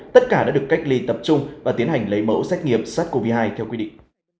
tất cả đã được cách ly tập trung và tiến hành lấy mẫu xét nghiệm sars cov hai theo quy định